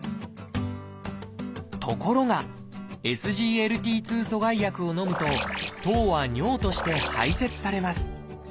ところが「ＳＧＬＴ２阻害薬」を飲むと糖は尿として排せつされます。